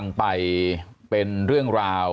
มีความรู้สึกว่า